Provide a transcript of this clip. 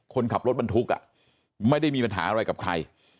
คนขับรถบรรทุกไม่ได้มีปัญหาอะไรกับใคร